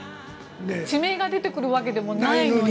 地名が出てくるわけでもないのに。